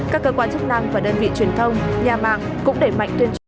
các cơ quan chức năng và đơn vị truyền thông nhà mạng cũng đẩy mạnh tuyên truyền